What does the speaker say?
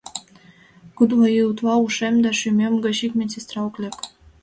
Кудло ий утла ушем да шӱмем гыч ик медсестра ок лек.